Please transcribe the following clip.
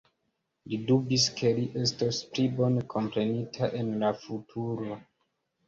Li dubis, ke li estos pli bone komprenita en la futuro.